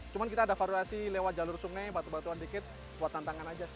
cuma kita ada varulasi lewat jalur sungai batuan batuan dikit buat tantangan aja sih